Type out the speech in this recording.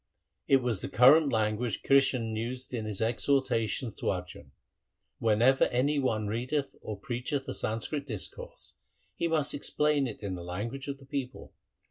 It was the current language Krishan used in his exhortations to Arjan. Whenever any one readeth or preacheth a Sanskrit discourse, he must explain it in the language of the people.